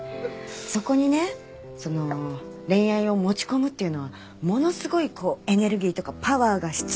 そこにね恋愛を持ち込むっていうのはものすごいエネルギーとかパワーが必要なわけですよ。